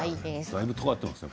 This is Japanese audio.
だいぶとんがってますね。